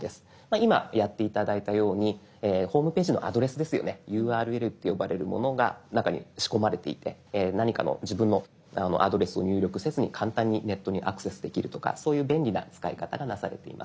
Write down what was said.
今やって頂いたようにホームページのアドレスですよね「ＵＲＬ」って呼ばれるものが中に仕込まれていて何かの自分のアドレスを入力せずに簡単にネットにアクセスできるとかそういう便利な使い方がなされています。